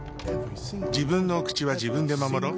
自分のお口は自分で守ろっ。